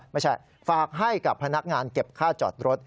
ไม่ใช่ฝากให้กับพนักงานเก็บค่าจอดรถ